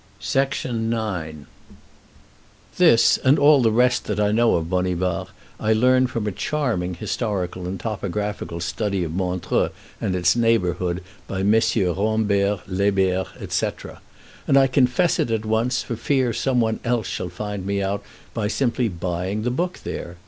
[Illustration: A Bit of Villeneuve] IX This and all the rest that I know of Bonivard I learn from a charming historical and topographical study of Montreux and its neighborhood, by MM. Rambert, Lebert, etc.; and I confess it at once, for fear some one else shall find me out by simply buying the book there.